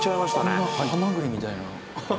こんなハマグリみたいな。